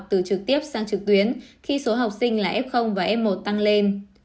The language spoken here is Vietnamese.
từ trực tiếp sang trực tuyến khi số học sinh là f và f một tăng lên